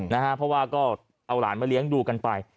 เพราะว่าก็เอาหลานมาเลี้ยงดูกันไป